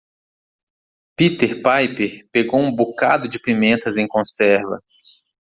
Peter Piper pegou um bocado de pimentas em conserva.